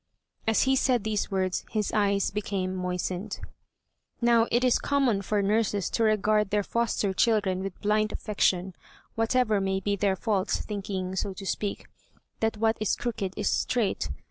As he said these words his eyes became moistened. Now, it is common for nurses to regard their foster children with blind affection, whatever may be their faults, thinking, so to speak, that what is crooked is straight.